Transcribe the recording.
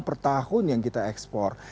per tahun yang kita ekspor